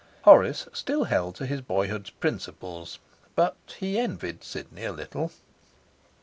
Horace still held to his boyhood's principles; but he envied Sidney a little.